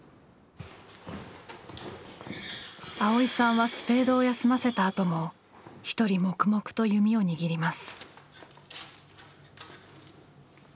蒼依さんはスペードを休ませたあとも一人黙々と弓を握ります。